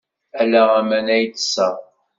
Ala aman ay ttesseɣ.